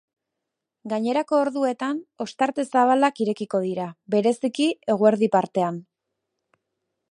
Gainerako orduetan, ostarte zabalak irekiko dira, bereziki eguerdi partean.